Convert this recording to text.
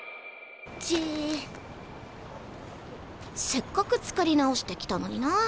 せっかく作り直してきたのにな。